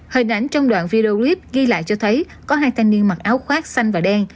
hình ảnh trong đoạn video clip ghi lại cho thấy có hai thanh niên mặc áo khoác xanh và đen